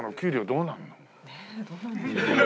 どうなるんでしょうね？